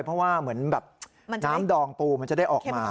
เพราะว่าเหมือนแบบน้ำดองปูมันจะได้ออกมา